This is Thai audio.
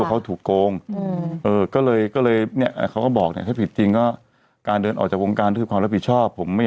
คือคือคือคือคือบอลด้วยที่พาเห็นร้องไห้เพราะมันต่อยอดใน